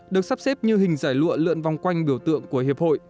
được sắp xếp như hình giải lụa lượn vòng quanh biểu tượng của hiệp hội